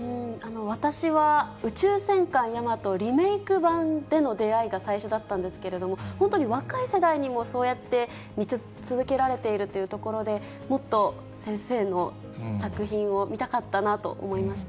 私は宇宙戦艦ヤマト、リメーク版での出会いが最初だったんですけれども、本当に若い世代にもそうやって見続けられているっていうところで、もっと先生の作品を見たかったなと思いました。